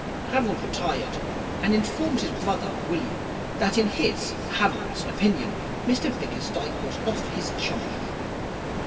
Harold retired and informed his brother, William, that in his, Harold's, opinion, Mr Bickersdyke was off his chump.